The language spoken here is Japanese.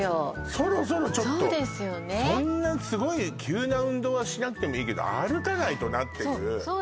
そろそろちょっとそんなすごい急な運動はしなくてもいいけど歩かないとなっていう